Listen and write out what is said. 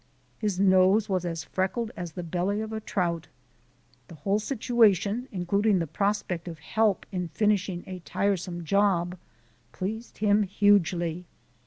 His nose was as freckled as the belly of a trout. The whole situation, including the prospect of help in finishing a tiresome job, pleased him hugely.